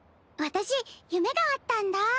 私夢があったんだ。